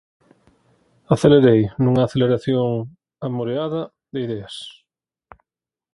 Acelerei, nunha aceleración, amoreada, de ideas.